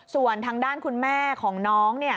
ส่วนทางด้านคุณแม่ของน้อง